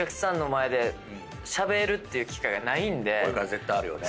これから絶対あるよね。